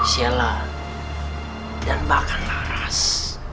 sheila dan bahkan laras